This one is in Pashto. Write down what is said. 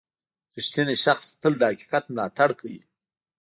• رښتینی شخص تل د حقیقت ملاتړ کوي.